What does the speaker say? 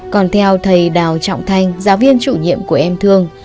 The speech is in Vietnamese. còn theo thầy đào trọng thanh giáo viên chủ nhiệm của em thương